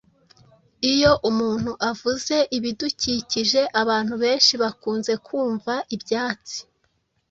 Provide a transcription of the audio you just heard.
Iyo umuntu avuze ibidukikije, abantu benshi bakunze kumva ibyatsi